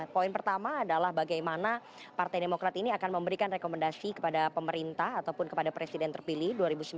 poin pertama adalah bagaimana partai demokrat ini akan memberikan rekomendasi kepada pemerintah ataupun kepada presiden terpilih dua ribu sembilan belas